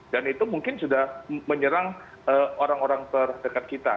dan itu mungkin sudah menyerang orang orang terdekat kita